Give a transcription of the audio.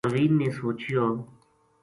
پروین نے سوچیو